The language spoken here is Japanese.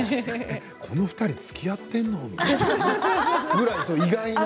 この２人つきあってるの？みたいな。